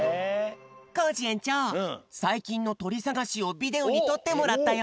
コージえんちょうさいきんのとりさがしをビデオにとってもらったよ。